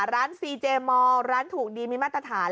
ร้านซีเจมอร์ร้านถูกดีมีมาตรฐาน